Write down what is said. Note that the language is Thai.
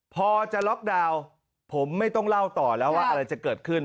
พอจะล็อกดาวน์ผมไม่ต้องเล่าต่อแล้วว่าอะไรจะเกิดขึ้น